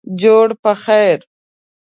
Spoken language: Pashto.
جوړ پخیر